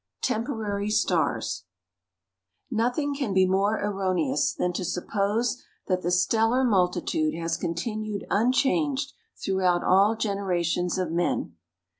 TEMPORARY STARS Nothing can be more erroneous than to suppose that the stellar multitude has continued unchanged throughout all generations of men.